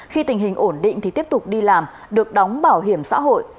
khi tình hình ổn định thì tiếp tục đi làm được đóng bảo hiểm xã hội